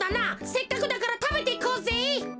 せっかくだからたべていこうぜ。